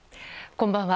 こんばんは。